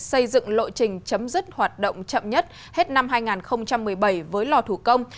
xây dựng lộ trình chấm dứt hoạt động chậm nhất hết năm hai nghìn một mươi bảy với lò thủ công